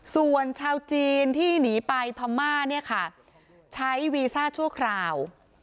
ส่วนชาวจีนที่หนีไปพม่าใช้วีซ่าชั่วคราว